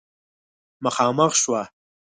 مخامخ شوه